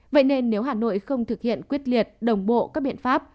vậy nên nếu hà nội không thực hiện quyết liệt đồng bộ các biện pháp